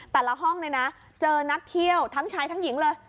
แต่ละห้องเนี่ยนะเจอนักเที่ยวทั้งชายทั้งหญิงเลย